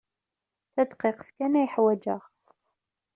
Tadqiqt kan ay ḥwajeɣ.